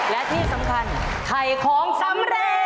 และที่สำคัญถ่ายของสำเร็จ